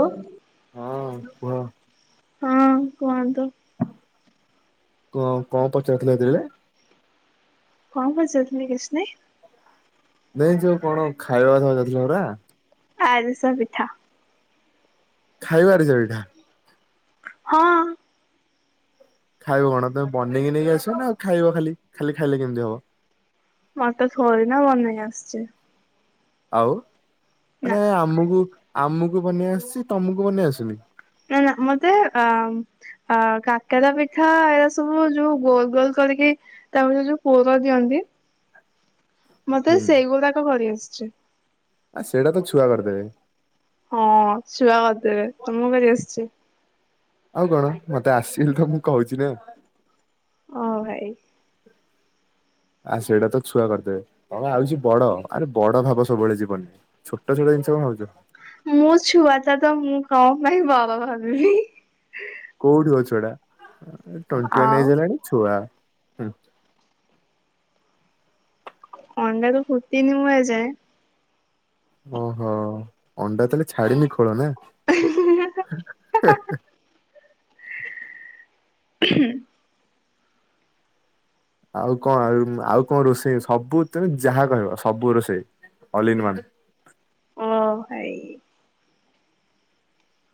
ଓ ହଁ କୁହ ହଁ କୁହନ୍ତୁ। କଁ କଁ ପଚାରୁଥୁଲେ ହେତେବେଳେ? କଣ କରୁଚ [unintelligible] କିଛ୍ ନାଇଁ। ନାଇଁ ଯୋଉ କଣ ଖାଇବା [unintelligible] ଯାଉଥିଲ ପରା? ଆରିସା ପିଠା। ଖାଇବାରେ ଏଇଠା। ହଁ। ଖାଇବ କଣ ତମେ ବନେଇକି ନେଇକି ଆସିବ ନା ଆଉ ଖାଇବ ଖାଲି ଖାଲି ଖାଇଲେ କେମତି ହବ। ମତେ ଥୋଡି ନା ବନେଇ ଆସଚି। ଆଉ ନା ମାନେ ଆମୁକୁ ଆମୁକୁ ବନେଇ ଆସୁଚି ତମୁକୁ ବନେଇ ଆସୁନି। ନା ନା ମତେ ଆ ଆ କାକେରା ପିଠା ଏରା ସବୁ ଯୋଉ ଗୋଲ ଗୋଲ କରିକି ତାପରେ ଯୋଉ ପୁର ଦିଅନ୍ତି ମତେ ହୁଁ। ସେଇଗୁଡିକ କରିଆସଚି। ଆଉ ସେଡା ତ ଛୁଆ କରିଦେବେ। ହଁ ଛୁଆ କରିଦେବେ ତମକୁ କରି ଆସଚି? ଆଉ କଣ ମତେ ଆସିଲି ତ ମୁଁ କୋହୁଚି ନା। ଓ ଭାଇ। ଆ ସେଇଟା ତ ଛୁଆ କରିଦେବେ [unintelligible] ଆଉଚି ବଡ ଆରେ ବଡ ଭାବ ସବୁବେଳେ ଯିବନରେ। ଛୋଟ ଛୋଟ ଜିନିଷ କଣ ଭାବୁଚ। ମୋ ଛୁଆଟା ତ ମୁଁ କଣ ପାଇଁ ବାଡ ଭାବିବି। କୋଉଠି ମ ଛୁଆଟା ଆଁ ଟ୍ୱେଣ୍ଟି ୱାନ୍ ଆଉ ଏଜ୍ ହେଲାଣି ଛୁଆ। ଅଣ୍ଡାରୁ ଫୁଟିନି ମୁଁ ଏଯାଏଁ। ଓହୋ ଅଣ୍ଡା ତାହେଲେ ଛାଡିନି ଖୋଳ ନା। ହୁଁ ଆଉ କଣ ଆଉ ଆଉ କଣ ରୋଷେଇ ସବୁ ତମେ ଯାହା କହିବ ସବୁ ରୋଷେଇ ଅଲ୍ ଇନ୍ ୱାନ୍। ଓ ଭାଇ।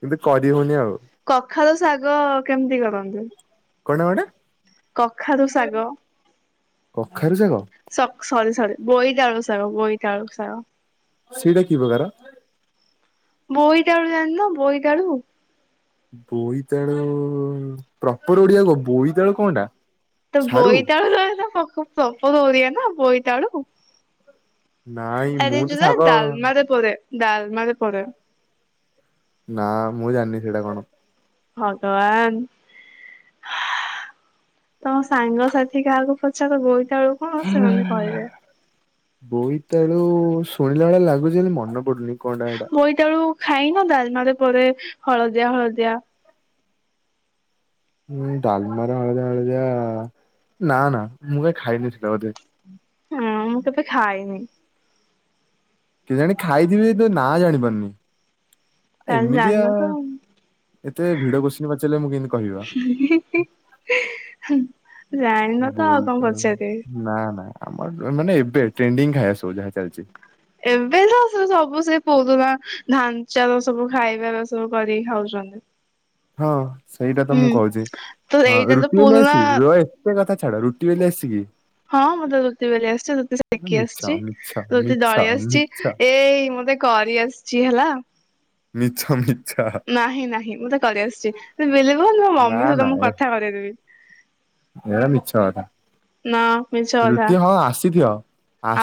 କିନ୍ତୁ କରି ହୋଉନି ଆଉ। କଖାରୁ ଶାଗ କେମତି କରନ୍ତି କଣଟା କଣଟା କଖାରୁ ଶାଗ? କଖାରୁ ଶାଗ? ସକ୍ ସରି ସରି ବୋଇତାଳୁ ଶାଗ ବୋଇତାଳୁ ଶାଗ। ସେଇଟା କି ପ୍ରକାର? ବୋଇତାଳୁ ଜାଣିନ ବୋଇତାଳୁ? ବୋଇତାଳୁ ପ୍ରପର ଓଡିଆ କୁହ ବୋଇତାଳୁ କଣଟା? ତ ସାରୁ? ବୋଇତାଳୁ [unintelligible] ପ୍ରପର ଓଡିଆ ନା ବୋଇତାଳୁ। ନାଇଁ ଆରେ ମୁଁ ତ ଯୋଉରା ଶାଗ ଡାଲମାରେ ପଡେ ଡାଲମାରେ ପଡେ। ନା ମୁଁ ଜାଣନି ସେଇଡା କଣ। ଭଗବାନ। ତମ ସାଙ୍ଗସାଥି କାହାକୁ ପଚାର ବୋଇତାଳୁ କଣ ସେମାନେ କହିବେ। ବୋଇତାଳୁ ଶୁଣିଲା ଭଳିଆ ଲାଗୁଛି ହେଲେ ମନେ ପଡୁନି। କଣଟା ହେଟା? ବୋଇତାଳୁ ଖାଇନ ଡାଲମାରେ ପଡ଼େ ହଳଦିଆ ହଳଦିଆ ଉଁ ଡାଲମାର ହଳଦିଆ ହଳଦିଆ ନା ନା ମୁଁ କାହିଁ ଖାଇନି ସେଟା ବୋଧେ। ହଁ କେବେ ଖାଇନି। କେଜାଣି ଖାଇଥିବି ତ ନାଁ ଜାଣିପାରୁନି ତାହେଲେ ଏମିତିଆ ଜାଣିନ ତ ଆଉ। ଏତେ ଭିଡ କୋଷ୍ଚିନ ପଚାରିଲେ ମୁଁ କେମିତି କହିବି ବା। ଜାଣିନ ତ ଆଉ କଣ ପଚାରିବି। ନାଁ ନାଁ। ଆମର ମାନେ ଏବେ ଟ୍ରେଣ୍ଡିଂ ଖାଇବାସବୁ ଯାହା ଚାଲିଛି। ଏବେ ତ ସବୁ ସେ ପୋଉ ନା ଧାନଚାର ସବୁ ଖାଇବା ସବୁ କରିକି ଖାଉଛନ୍ତି। ହଁ ସେଇଟା ତ ମୁଁ ହୁଁ କହୁଛି ତ ହଁ ଏଇଟା ତ ରୁଟି ବେଲି ପୁରୁଣା ଆସିଚି ରୁହ ହେ। ସେ କଥା ଛାଡ ରୁଟି ବେଲି ଆସିଚି କି? ହଁ ମୋତେ ରୁଟି କରି ଆସିଚି ରୁଟି ସେକି ମିଛ ଆସିଛି। ମିଛ ରୋଟି ମିଛ ଦଳି ଆସିଛି ମିଛ ଏଇ ମତେ କରି ଆସିଛି ହେଲା। ମିଛ ମିଛ। ନାହିଁ ନାହିଁ ମୁଁ ତ କରିଆସିଛି ବିଲିଭ୍ କରନ୍ତୁ ମୋ ନା ମମି ନା ସହିତ ମୁଁ ଏ କଥା କରେଇ ଦେବି। ଏରା ମିଛ କଥା। ନା ମିଛ କଥା ରୁଟି ହଁ ଆସିଥିବ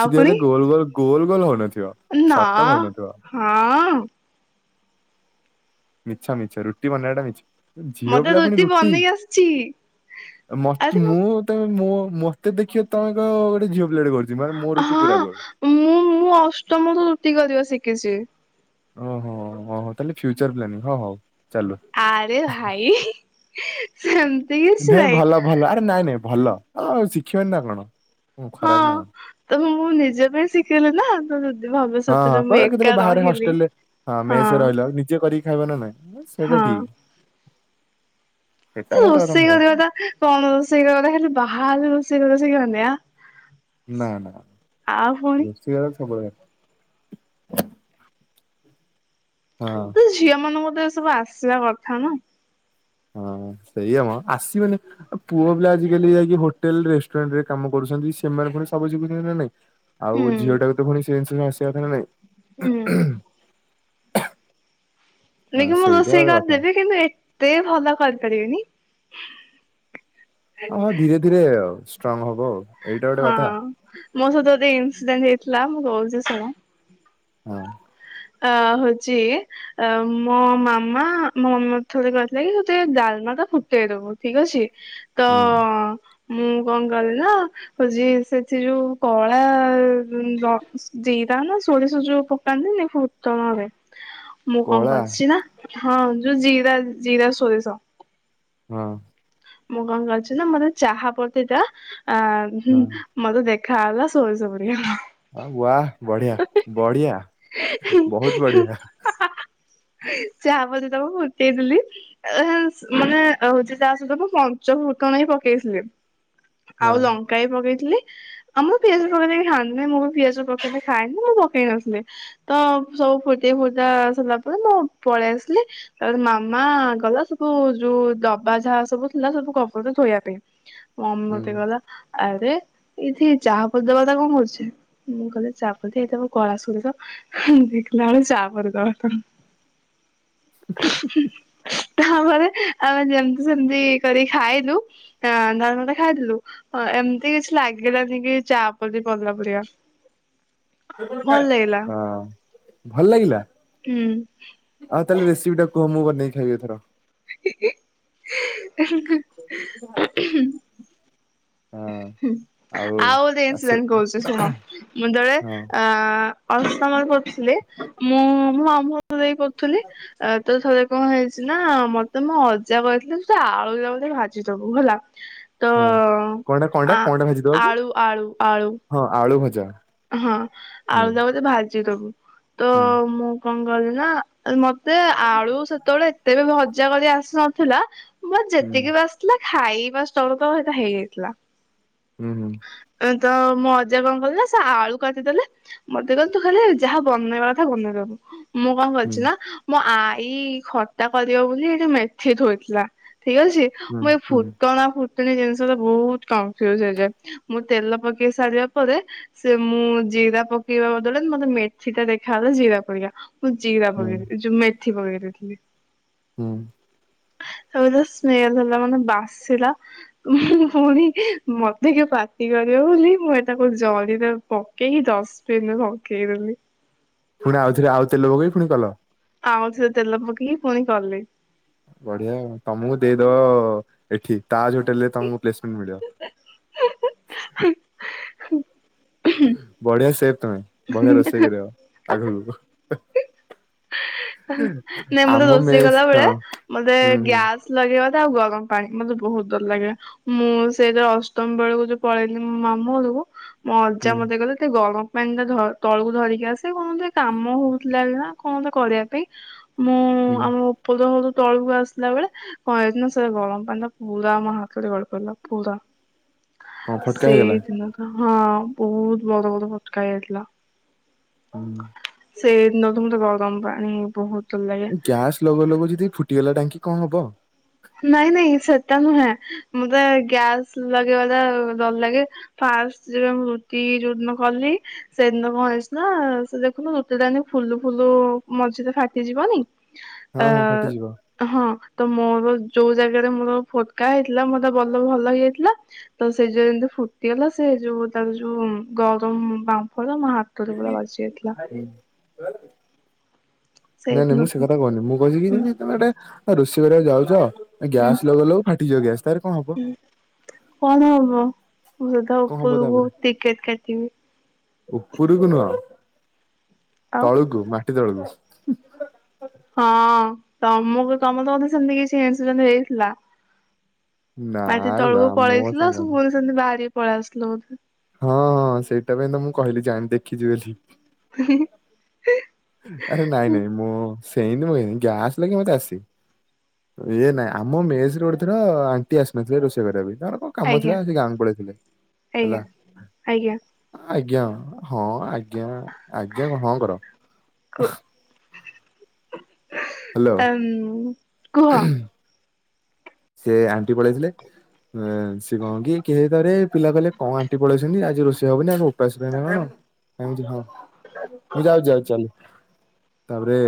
ଆଉ ପୁଣି ହେଲେ ଗୋଲ ଗୋଲ ଗୋଲ ଗୋଲ ହଉନଥିବ। ନା ସର୍କଲ ହଉନଥିବ ହଁ। ମିଛ ମିଛ ରୁଟି ବନେଇବାଟା ମିଛ। ଝିଅ ମତେ ପିଲା ପୁଣି ରୁଟି ବନେଇ ଆସିଛି ମ ଆରେ ମୁଁ ତେ ମଁ ମତେ ଦେଖିବ ତମେ ଗୋଟେ ଝିଅ ପିଲା ଟେ କରୁଛି ମାନେ ମୋ ରୁଟି ପୁରା ହଁ ଗୋଲ୍। ମୁଁ ମୁଁ ଅଷ୍ଟମ ରୁ ରୁଟି କରିବା ଶିଖିଛି। ଓହ ତାହେଲେ ଫ୍ୟୁଚର ପ୍ଲାନିଂ ହଁ ହଉ। ଚାଲୁ। ଆରେ ଭାଇ ସେମିତି କିଛି ନାଇଁ ନାହିଁ ଭଲ ଭଲ ଆରେ ନାଇଁ ନାଇଁ ଭଲ। ଆଉ ଶିଖିବନି ନା କଣ ଖରାପ ନା ତମୁ ମୁଁ ନିଜେ ପାଇଁ ଶିଖେଇଲି ନା ତ ହଁ ହଁ ଭବିଷ୍ୟତରେ ମୁଁ କହିଲ ଏକା କେତେବେଳେ ବାହାରେ ରହିଲି ହଷ୍ଟେଲ ରେ ହଁ ମେସ ରହିଲା ନିଜେ କରିକି ଖାଇବ ନା ନାଇଁ ସେଇଟା ହଁ ଠିକ। ସେଇଟା ମତେ କଥା ମୁଁ ରୋଷେଇ କହେ କରିବା ତା କଣ ରୋଷେଇ କରିବା ଖାଲି ବାହାରେ ରୋଷେଇ କରିବା ସେ ଆଁ? ନା ନା ପୁଣି ରୋଷେଇ ସବଳ ହଁ। ତ ଝିଅ ମାନଙ୍କ ତ ଏ ସବୁ ଆସିବା କଥା ନା। ହଁ ସେଇଆ ମ ଆସିବନି ଆ ପୁଅ ପିଲା ଆଜିକାଲି ଯାଇକି ହୋଟେଲ ରେଷ୍ଟୁରାଣ୍ଟ ରେ କାମ କରୁଛନ୍ତି ସେମାନେ ସବୁ ଶିଖୁଛନ୍ତି ନା ନାଇଁ। ହୁଁ ଆଉ ଝିଅ ଟାକୁ ତ ପୁଣି ସେ ଜିନିଷ ଆସିବା କଥା ହୁଁ ନାଇଁ। କି ହଁ ମୁଁ ସେଇଟା ରୋଷେଇ ଗୋଟେ କଥା କରିଦେବି କିନ୍ତୁ ଏତେ ଭଲ କରିପାରିବିନି। ହ ହଁ ଧୀରେ ଧୀରେ ଆଉ ଷ୍ଟ୍ରଙ୍ଗ ହବ ଆଉ। ଏଇଟା ଗୋଟେ ହଁ କଥା ମୋ ସହିତ ଇନସିଡେଣ୍ଟ ହେଇଥିଲା ମୁଁ କହୁଛି ଶୁଣ। ହଁ। ଅ ହଉଛି ଅ ମୋ ମାମା ମୋ ମାମା ଥରେ କହିଥିଲା କି ସେତେ ଡାଲମା ଟା ଫୁଟେଇଦବ। ଠିକ ଅଛି। ତ ହୁଁ। ମୁଁ କଣ କଲି ନା ହଉଛି ସେଠି ଯୋଉ କଳା ଜିରା ନା ସୋରିଷ ଯୋଉ ପକାନ୍ତିନି ଫୁ ଟଣରେ। ମୁଁ କଣ କଳା କରିଛି ନା ହଁ ଯୋଉ ଜିରା ଜିରା ସୋରିଷ। ହଁ। ମୁଁ କଣ କରିଛି ନା ମତେ ଚାହା ପତି ଟା ଆ ହୁଁ ହୁଁ। ମତେ ଦେଖାଗଲା ସୋରିଷ ପରିକା। ଆ ୱା ବଢିଆ ବଢିଆ ବହୁତ ବଢିଆ। ଚାହା ପତି ତକ ଫୁଟେଇଦେଲି ଆ ସ ମାନେ ହଉଛି ଚା ସହିତ ମୁଁ। ପଞ୍ଚଫୁଟଣ ବି ପକେଇଥିଲି। ହଁ ଆଉ ଲଙ୍କା ବି ପକେଇଥିଲି। ଆମ ପିଆଜ ପକେଇଲେ କିଏ ଖାଆନ୍ତିନି ମୁଁ ବି ପିଆଜ ପକେଇଲେ ଖାଏନି ମୁଁ ପକେଇ ନଥିଲି। ତ ସବୁ ଫୁଟି ଫୁଟା ସରିଲା ପରେ ମୁଁ ପଳେଇ ଆସିଲି। ତାପରେ ମାମା ଗଲା ସବୁ ଯୋଉ ଡବା ଯାହା ସବୁ। ହେଲା ସବୁ କଭର ଧୋଇବା ପାଇଁ। ମମି ହୁଁ। ମତେ କହିଲା। ଆରେ ଏଇଠି ଚାହା ପତି ଡବା ଟା କଣ କରୁଛି? ମୁଁ କହିଲି ଚାପତି ଏଇଟା ପା କଳା ସୋରିଷ ହୁଁ ଦେଖିଲା ବେଳୁ ଚାପତି [unintelligible] ହୁଁ ତାପରେ ଆମେ ଯେମିତି ସେମତି। କରି ଖାଇଲୁ। ହାଁ [unintelligible] ଖାଇଥିଲୁ ଅ ଏମିତି କିଛି ଲାଗିଲାନି କି ଚା ପତି ପଡିଲା ପରିକା। ଭଲ ଲାଗିଲା। ହଁ ଭଲ ଲାଗିଲା ହୁଁ। ଆଉ ତାହେଲେ ରେସିପି ଟା କୁହ ମୁଁ ବନେଇକି ଖାଇବି ଏଥର। ହେ ହେ। ହ। [unintelligible] ହଁ ହୁଁ ଆଉ ଗୋଟେ ଆଛା ଇନସିଡେଣ୍ଟ କହୁଛି ଶୁଣ ମୁଁ ଥରେ ହଁ ଆ। ଅଷ୍ଟମ ରେ ପଢ଼ୁଥିଲି। ମୁଁ ମୋ ମାମୁଁ ଘରେ ରହିକି ପଢୁଥିଲି। ଆ ତ ଥରେ। କଣ ହେଇଛି ନା ମତେ ମୋ ଅଜା କହିଥିଲେ ତୁ ଆଳୁ ତକ ଯାଇ ଭାଜିଦବୁ ହେଲା। ତ ହଁ କଣ ଟା କଣ ଟା ଆ କଣ ଟା ଭାଜିଦେବାକୁ? ଆଳୁ ଆଳୁ ଆଳୁ ହଁ ଆଳୁ ଭଜା। ହଁ ହୁଁ ଆଳୁ ତକ ଭାଜି ଦବୁ। ତ ହୁଁ। ମୁଁ କଣ କଲି ନା ଆ ମତେ ଆଳୁ ସେ ସେତେବେଳେ ଏତେ ବି ଭଜା ଭାଜି ଆସୁନଥିଲା। ବ ହୁଁ ଯେତିକି ବାସ। ଥିଲା ଖାଇବା [unintelligible] ସେଟା ହେଇଯାଇଥିଲା। ହୁଁ ହୁଁ। ଏଁ ତ ମୋ ଅଜା କଣ କଲେ ନା ସେ ଆଳୁ କାଟିଦେଲେ। ମତେ କହିଲେ ତୁ ଖାଲି ଯାହା ବନେଇବା କଥା ବନେଇଦବୁ। ମୁଁ କଣ ହୁଁ କରିଛି ନା। ମୋ ଆଈ ଖଟା କରିବ ବୋଲି ଏଇଠି ମେଥି ଥୋଇଥିଲା ଠିକ ଅଛି। ହୁଁ ହୁଁ ମୁଁ ଏଇ ହୁଁ ଫୁଟଣା ଫୁଟୁଣୀ ଜିନିଷ ରେ ବହୁତ କନଫ୍ୟୁଜ ହେଇଯାଏ। ମୁଁ ତେଲ ପକେଇ ସାରିବା ପରେ। ସେ ମୁଁ ଜିରା ପକେଇବା ବଦଳରେ ମତେ ମେଥି ଟା ଦେଖାଗଲା ଜିରା ପରିକା। ମୁଁ ଜିରା ହୁଁ ପକେଇ ଏ ଯୋଉ ମେଥି ପକେଇ ଦେଇଥିଲି। ହୁଁ। ତା [unintelligible] ସ୍ମେଲ ହେଲା ମାନେ ବାସିଲା। ଉଁ ହୁଁ ପୁଣି ମ ମତେ କିଏ ପାଟି କରିବ ବୋଲି ମୁଁ ଏ ତାକୁ ଜରିରେ ପକେଇକି ଡଷ୍ଟବିନରେ ପକେଇ ଦେଲି। ପୁଣି ଆଉଥରେ ଆଉ ତେଲ ପକେଇକି ପୁଣି କଲ। ଆଉ ଥରେ ତେଲ ପକେଇକି ପୁଣି କଲି। ବଢିଆ ତମକୁ ଦେଇଦବ ଏଠି ତାଜ ହୋଟେଲ ରେ ତମକୁ ପ୍ଲେସମେଣ୍ଟ ମିଳିବ। ହେଇ ବଢିଆ ସେଫ୍ ତମେ ବଢିଆ ରୋଷେଇ କରିବ। ଆଗକୁ। ନାଇଁ ମତେ ଆମ ରୋଷେଇ ମେସ୍ କଲାବେଳେ ହଁ ମତେ ହୁଁ ହୁଁ ଗ୍ୟାସ୍। ଲଗେଇବା ଟା ଆଉ ଗରମ ପାଣି ମତେ ବୋହୁତ୍ ଡର ଲାଗେ। ମୁଁ ସେଇଟା ଅଷ୍ଟମ ବେଳୁକୁ ଯୋଉ ପଳେଇଥିଲି ମୋ ମାମୁଁ ଘରୁକୁ ମୋ ଅଜା ହୁଁ ମତେ କହିଲେ। ତେ ଗରମ ପାଣି ଟା ଧ ତଳୁକୁ ଧରିକି ଆସେ କଣ ଗୋଟେ କାମ ହଉଥିଲା ବୋଲି କି ନା କଣ ତ କରିବା ପାଇଁ। ମୁଁ ହୁଁ ଆମ ଉପଦଳୁ ତଳୁକୁ ଆସିଲା ବେଳେ କଁ ହେଇଚ୍ ନା ସେ ଗଳମ୍ ପଣ୍ ଟା ପୁଳା ମୋ ହାତରେ ଗଳି ପଇଲା ପୁରା କଣ ଫଟକା ହେଇଗଲା ସେଇଦିନ ହଁ, ବୋହୁତ ବଡ ବଡ ଫଟକା ହେଇ ଯାଇଥିଲା। ହୁଁ ସେଇିଦିନଠୁ ମତେ ଗରମ ପାଣି ବୋହୁତ୍ ଗ୍ୟାସ ଲଗଉ ଲଗଉ ଯଦି ଫୁଟିଗଲା ଟାଙ୍କି କଣ ହବ? ନାଇଁ, ନାଇଁ ସେଟା ନୁହେଁ, ମତେ ଗ୍ୟାସ ଲଗେଇବାଟା ଡର୍ ଲାଗେ। ଫାଷ୍ଟ୍ ଯେବେ ମୁଁ ରୁଟି ଯୋଉ ଦିନ କଲି ସେଦିନ କଣ ହେଇଚିନା ସେ ଦେଖୁନୁ ରୁଟିଟାନି ଫୁଲୁ ଫୁଲୁ ମଝିରେ ଫାଟିଯିବନି। ହଁ ହଁ ଫାଟିଯିବ ଆ ହଁ, ତ ମୋରୋ ଯୋଉ ଜାଗାରେ ମୋରୋ ଫୋଟକା ହେଇଥିଲା, ମୋତେ ବଲୌ ଭଲ ହେଇଯାଇଥିଲା। ତ ସେ ଯେନ୍ତି ଫୁଟିଅଲା, ସେ ଯୋଉ ତାର ଯୋଉ ଗରମ ବାମ୍ଫଟା ମୋ ହାତ୍ ତରେ ପୁରା ବାଜ୍ ଯାଇଥିଲା। [unintelligible] ନାଇଁ, ନାଇଁ ମୁଁ ସେ ସେଇଦିନଠୁ କଥା କହିନି, ମୁଁ କହିିଲିକି ହୁଁ ମାନେ ତମେ ଗୋଟେ ରୋଷେଇ କରିଆକୁ ଯାଉଚ ଗ୍ୟାସ୍ ଲଗଉ ଲଗୋଉ ଫାଟିଯିବ ଗ୍ୟାସ୍ ତାରେ କଁ ହବ? ଉଁ କଣ ହବ? ମୁଁ ସିଧା ଓପୁରୁକୁ ଟିକେଟ୍ କାଟିବି। ଉପୁରୁକୁ ନୁହଁ, ଆଉ ତଳୁକୁ ମାଟି ତଳୁକୁ। ହଁ, ତମୁକୁ ତମ ତ [unintelligible] ସେମତି କିଛି ଇନ୍ସିଡେଣ୍ଟ ହେଇଥିଲା। ମାଟି ନାଇଁ ବା ତଳୁକୁ ମୋ ପଳେଇଥିଲ ସାଙ୍ଗ ସବୁବେଳେ ସେମତି ବାହାରିକି ପଳେଆସିଲ ବୋଧେ। ହଁ, ସେଟା ପାଇଁ ତ ମୁଁ କହିଲି ଜାଣି, ଦେଖିଛି ବୋଲି। ହିଁ ହିଁ। ଆରେ ନାଇଁ, ନାଇଁ ମୁଁ ସେ [unintelligible] ଗ୍ୟାସ୍ ଲଗେଇ ମତେ ଆସିନ୍। ଇଏ ନା ଆମ ମେସରେ ଗୋଟେ ଥର ଆଣ୍ଟି ଆସି ନଥିଲେ ରୋଷେଇ କରିଆ ପାଇଁ, ତାଙ୍କର କଣ କାମ ଆଜ୍ଞା ଥିଲା ଏନ୍ତି ଗାଁକୁ ପଳେଇ ଥିଲେ ଆଜ୍ଞା ହେଲା। ଆଜ୍ଞା ଆଜ୍ଞା, ହଁ, ଆଜ୍ଞା, ଆଜ୍ଞା କଣ, ହଁ କର। କୁ ହି, ହି, ହେ ହ୍ୟାଲୋ ଆମ୍ କୁହ। ସେ ଆଣ୍ଟି ପଳେଇ ଥିଲେ। [unintelligible] କେହିଥରେ ପିଲା କହିଲେ କଁ ଆଣ୍ଟି ପଳେଇଛନ୍ତି ଆଜି ରୋଷେଇ ହବନି ଆଜି ଉପାସ ରହିବାନା କଁ? ଏମିତି କଣ? ମୁଁ ଯାଉଚି, ଯାଉଚି, ଚାଲ ତାପରେ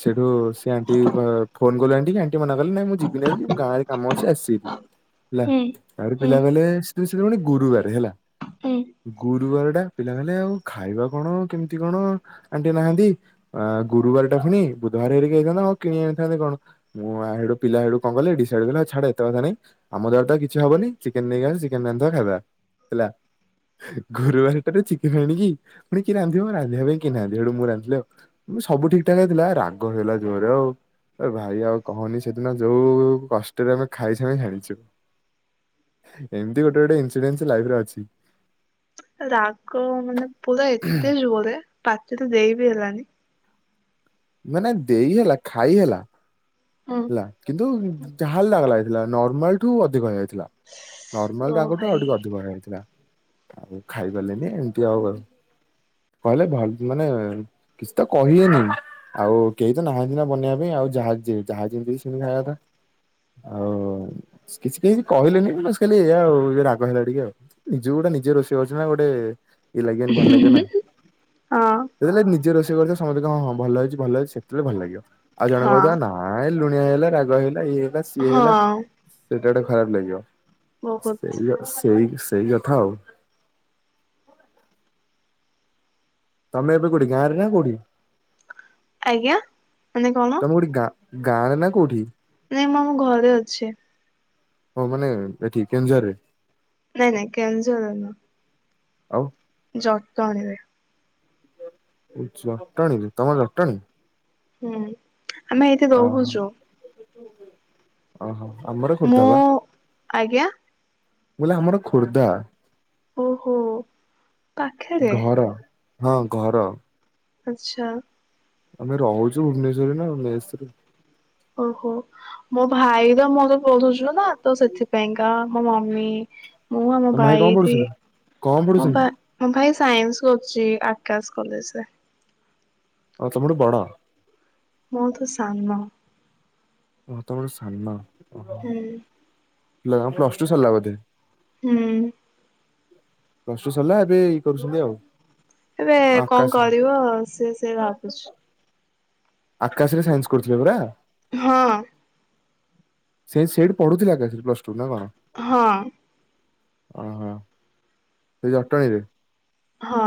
ସେଠୁ ସେ ଆଣ୍ଟି କ ଫୋନ୍ କଲୁ ଆଣ୍ଟିକି, ଆଣ୍ଟି ମନା କଲେ ନାଇଁ ମୁଁ ଯିବିନାଇ। ଗାଁ ରେ କାମ ଅଛି ଆସି ହେଲା, ହୁଁ ତାପରେ ହୁଁ ପିଲା କଇଲେ [unintelligible] ଗୁରୁବାରେ ହେଲା। ଉଁ। ଗୁରୁବାର ଟା ପିଲା କଇଲେ ଆଉ ଖାଇବା କଣ? କେମିତି କଣ? ଆଣ୍ଟି ନାହାନ୍ତି। ଆ, ଗୁରୁବାର ଟା ଫୁଣି ବୁଧବାର ହେରିକା କଣ ହେଇଥାନ୍ତା, ଆଉ କିଣି ଆଣିଥାନ୍ତେ କଣ? ମୁଁ, ଆ ହେଡୁ ପିଲା ହେଡୁ କଁ କଲେ ଡିସ୍ ଜାଡି ଦେଲା ଛାଡେ ଏତେ କଥା ନାଇ, ଆମଦ୍ୱାରା ତ କିଛି ହବନି, ଚିକେନ୍ ନେଇଆସଚି ଚିକେନ୍ ରାନ୍ଧବା ଖାଇଦବା। ହେଲା। ହୁ ଗୁରୁବାରଟାରୁ ଚିକେନ୍ ଆଣକି ଫୁଣି କିଏ ରାନ୍ଧିବ, ରାନ୍ଧିଆ ପାଇଁ କେହି ନାହାନ୍ତି, ହେଇଟୁ ମୁଁ ରାନ୍ଧିଲି ଆଉ। ସବୁ ଠିକ୍, ଠାକେ ଥିଲା, ରାଗ ହେଇଗଲା ଜୋରେ ଆଉ। ଏ ଭାଇ ଆଉ କହନି, ସେଦିନ ଯୋଉ କଷ୍ଟରେ ଆମେ ଖାଇଚୁ [unintelligible] ଜାଣିଛୁ। ଏମତି ଗୋଟେ ଗୋଟେ ଇନସିଡେଣ୍ଟସ୍ ଲାଇଫ୍ ରେ ଅଛି। ରାଗ ମାନେ ପୁରା ଏତେ ଜୋରେ ପାତିରେ ଦେଇ ବିି ହେଲାନି। ମାନେ ଦେଇ ହେଲା ଖାଇ ହେଲା। ହେଲା କିନ୍ତୁ ଯାହା ହେଲେ ରାଗ ଲାଗୁଥିଲା ନର୍ମାଲଠୁ ଅଧିକ ହେଇଯାଇଥିଲା। ଓ ନର୍ମାଲ ରାଗଠୁ ଭାଇ ଆଉ ଟିକେ ଅଧିକ ହେଇଥିଲା ଆଉ ଖାଇପାରିଲନି ଏମିତି ଆଉ। ବା କହିଲେ [unintelligible] ମାନେ କିଛି ତ କହିିବେନି ଆଉ କେହି ତ ନାହାନ୍ତି ନା ବନେଇବା ପାଇଁ ଆଉ ଯାହା ଯେ ଯାହା ଯେମିତି ସେମିତି ଖାଇବା କଥା ଆଉ। କିଛି କେହି କହିଲେନି ବେଶି ଖାଲି ଏଇଆ ଆଉ ଯେ ରାଗ ହେଇଗଲା ଟିକେ ଆଉ। ନିଜ ଗୋଟେ ନିଜେ ରୋଷେଇ କରିଛି ନା ଗୋଟେ ଇଏ ଲାଗିବନି ଭଲ ଲାଗିବ ନା। ହଁ ଯେତେବେଳେ ନିଜେ ରୋଷେଇ କରିଥିବ ସମସ୍ତେ କହିବେ ହଁ ଭଲ ହେଇଛି ଭଲ ହେଇଛି ସେତେବେଳେ ଭଲ ଲାଗିବ। ଆଉ ଜଣେ କହୁଥିବ ନା ହଁ ଇଏ ଲୁଣିଆ ହେଇଗଲା ରାଗ ହେଇଗଲା ଇଏ ହେଇଗଲା ସିଏ ହେଇଗଲା ହଁ ସେଇଟା ଗୋଟେ ଖରାପ ଲାଗିବ। ବହୁତ ସେଇଆ ସେଇ ସେଇ କଥା ଆଉ। ତମେ ଏବେ କୋଉଠି ଗାଁରେ ନା କୋଉଠି? ଆଜ୍ଞା ମାନେ କଣ? ତମେ କୋଉଠି ଗାଁ ଗାଁରେ ନା କୋଉଠି? ନାଇଁ ମୁଁ ଆମ ଘରେ ଅଛି। ହଁ ମାନେ ଏଠି କେଉଁଝରରେ? ନାଇଁ ନାଇଁ କେଉଁଝର ନୁହଁ। ଆଉ। ଜଟଣୀରେ। ଓ ଜଟଣୀରେ ତମ ଘର ଜଟଣୀ। ହୁଁ ଆମେ ଏଇଠି ଓହୋ ରହୁଛୁ। ଓହୋ ଆମର ଖୋର୍ଦ୍ଧା ମୁଁ ବା ଆଜ୍ଞା ମୁ କହିଲି ଆମର ଖୋର୍ଦ୍ଧା। ଓହୋ ପାଖରେ। ଘର ହଁ ଘର। ଆଚ୍ଛା। ଆମେ ରହୁଛୁ ଭୁବନେଶ୍ୱରରେ ନା ମେସରେ। ଓହୋ ମୋ ଭାଇ ତ ମୋ ତ ପଢ଼ୁଚୁ ନା ତ ସେଥିପାଇଁକା ମୋ ମମି ମୁଁ ଆଉ ମୋ ତମ କଣ ଭାଇ ଏଠି ପଢୁଛନ୍ତି କଣ ମୋ ପଢୁଛନ୍ତି ଭା ମୋ ଭାଇ ସାଇନ୍ସ କରୁଛି ଆକାଶ କଲେଜରେ। ଓ ତମଠୁ ବଡ। ମୁଁ ତ ସାନ। ମୁଁ ତମଠୁ ସାନ। ହୁଁ। ଲା ପ୍ଲସ ଟୁ ସରିଲା ବୋଧେ। ହୁଁ। ପ୍ଲସ ଟୁ ସରିଲା ଏବେ ଇଏ କରୁଛନ୍ତି ଆଉ। ଏବେ କଣ ଆକାଶ କରିବ ସେ ସେ ଭାବ ଆକାଶରେ ସାଇନ୍ସ କରୁଥିଲେ ପରା। ହଁ। ସେ ସେଠି ପଢୁଥିଲେ ଆକାଶରେ ପ୍ଲସ ଟୁ ନା କଣ? ହଁ। ଓହୋ। ସେଇ ଜଟଣୀରେ? ହଁ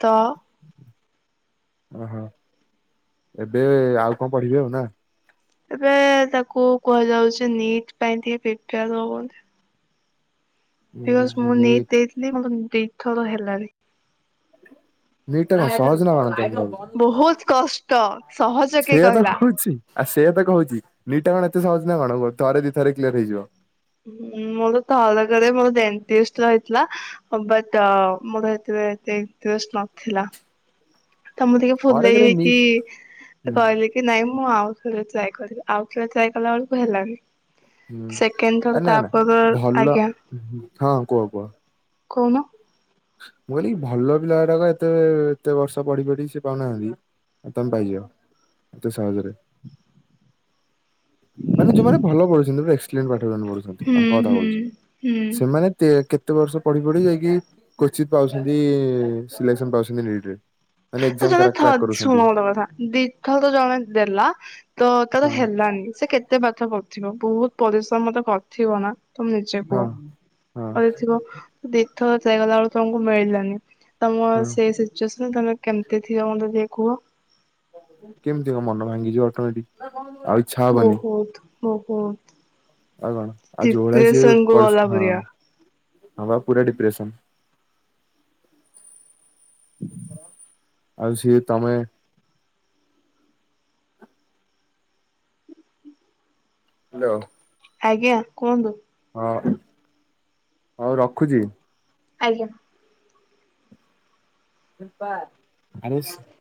ତ ଓହୋ ଏବେ ଆଉ କଣ ପଢିବେ ଆଉ ନା। ଏବେ ତାକୁ କୁହାଯାଉଛି ନିଟ୍ ପାଇଁ ଟିକେ ପ୍ରିପେୟାର ହବ ବୋଧେ। ବିକଜ ମୁଁ ନିଟ୍ ନିଟ ଦେଇଥିଲି ମୋର ଦିଥର ହେଲାନି। ନିଟ୍ ଟା କଣ ସହଜ ନା କଣ ବହୁତ କଷ୍ଟ ସହଜ କେହି ସେଇଆ ତ କହିଲା। କହୁଛି। ଆଉ ସେଇଆ ତ କହୁଛି ନିଟ୍ ଟା କଣ ଏତେ ସହଜ ନା କଣ ଥରେ ଦି ଥରରେ କ୍ଲିୟର ହେଇଯିବ। ହୁଁ ମୋର ଥରକରେ ମୋର ଦେଣ୍ଟିଷ୍ଟର ହେଇଥିଲା। ବଟ ମୋର ହେତୀରେ ଏତେ ଇନ୍ତ୍ରେଷ୍ଟ ନଥିଲା। ତ ମୁଁ ଟିକେ ଫୁଲେଇ ଥରକରେ ନିଟ୍ ହେଇକି ହୁଁ କହିଲି କି କି ନାଇଁ ମୁଁ ଆଉ ଥରେ ଟ୍ରାଏ କରିବି ଆଉ ଥରେ ଟ୍ରାଏ କଲାବେଳକୁ ହେଲାନି। ହୁଁ ସେକେଣ୍ଡ ଆ ଥର ନା ନା ତାପର ଭଲ ଆଜ୍ଞା ହଁ କୁହ କୁହ କହୁନ। ମୁଁ କହିଲି ଭଲ ପିଲା ଗୁରାକ ଏତେ ଏତେ ବର୍ଷ ପଢି ପଢି ସେ ପାଉନାହାନ୍ତି। ଆଉ ତମେ ପାଇଯିବ ଏତେ ସହଜରେ। [inaudible] ମାନେ ଯୋଉମାନେ ଭଲ ପଢୁଛନ୍ତି ପୁରା ଏକ୍ସଲେନ ପାଠ ପଢ଼ୁଛନ୍ତି ହୁଁ ତାଙ୍କ କଥା ହୁଁ କହୁଚି ହୁଁ। ସେମାନେ ତେ କେତେ ବର୍ଷ ପଢି ପଢି ଯାଇକି କୋଚିଂ ପାଉଚନ୍ତି ସିଲେକ୍ସନ ପାଉଛନ୍ତି ନୀଟ୍ରେ। ତଯଣେ ଥ ଶୁଣ କଥା ଦି ଧରନ୍ତୁ ଜଣେ ଦେଲା ତତାର ହଁ ହେଲାନି ସେକେତେ ପାଠ ପଢୁ ବହୁତ୍ ପରିଶ୍ରମତ କରିଥିବନା ତମେ ନିଜେ କୁହ ହଁ ହଁ କରିଥିବ। ଦୀଥର ଟ୍ରାଏ କଲାବେଳକୁ ତମକୁ ମିଳିଲାନି ହଁ ତମସେ ସିଚୁଏସନ୍ ତମେ କେମିତି ଥିବ ମୋତେ ଟିକିଏ କୁହ? କେମିତି ମୋମନ ଭାଙ୍ଗିଯିବ ଅର୍ଟୋମେଟିକ ଆଉ ଇଚ୍ଛା ହବନି ବହୁତ୍ ବହୁତ୍। ଆଉ କଣ ଆଉ ଯୋଉ ଭଳିଆସେ ପରି ଗଲା ହଁ ପରିକା ହଁବା ପୁରା ଡିପ୍ରେସନ୍। ଆଉ ସିଏ ତମେ ହାଲୋ। ଆଜ୍ଞା କୁହନ୍ତୁ। ହଁ ହଉ ରଖୁଛି। ଆଜ୍ଞା। [unintelligible]